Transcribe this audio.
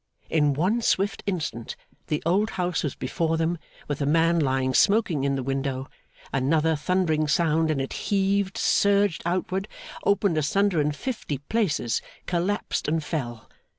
In one swift instant the old house was before them, with the man lying smoking in the window; another thundering sound, and it heaved, surged outward, opened asunder in fifty places, collapsed, and fell.